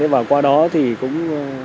và qua đó thì cũng